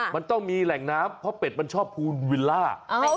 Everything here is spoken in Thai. มันต้องมีแหล่งน้ำเพราะเป็ดมันชอบภูนวิลล่า